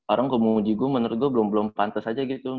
orang kamu uji gua menurut gua belum belum pantes aja gitu